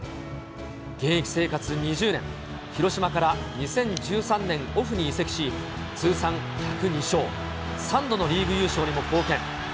現役生活２０年、広島から２０１３年オフに移籍し、通算１０２勝、３度のリーグ優勝にも貢献。